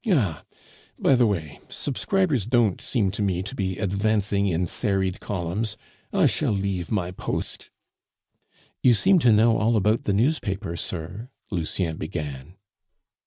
Ah! by the way, subscribers don't seem to me to be advancing in serried columns; I shall leave my post." "You seem to know all about the newspaper, sir," Lucien began.